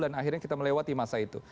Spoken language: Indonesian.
dan akhirnya kita melewati masa itu